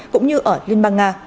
cũng như ở liên bang nga